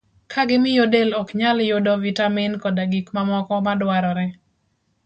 ka gimiyo del ok nyal yudo vitamin koda gik mamoko madwarore.